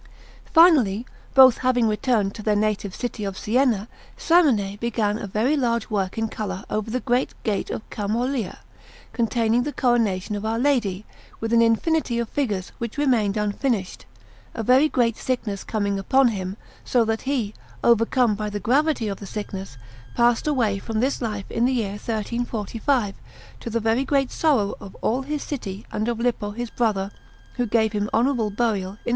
Finally, both having returned to their native city of Siena, Simone began a very large work in colour over the great gate of Camollia, containing the Coronation of Our Lady, with an infinity of figures, which remained unfinished, a very great sickness coming upon him, so that he, overcome by the gravity of the sickness, passed away from this life in the year 1345, to the very great sorrow of all his city and of Lippo his brother, who gave him honourable burial in S.